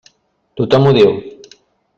Tothom ho diu.